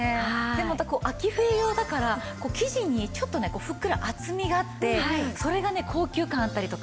また秋冬用だから生地にちょっとねふっくら厚みがあってそれがね高級感あったりとか。